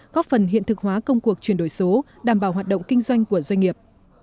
góp phần hiện thực hóa công cuộc chuyển đổi số đảm bảo hoạt động kinh doanh của doanh nghiệp